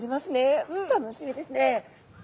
楽しみですね。